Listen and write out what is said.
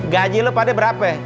gaji lo pada berapa